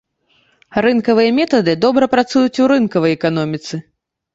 Рынкавыя метады добра працуюць у рынкавай эканоміцы.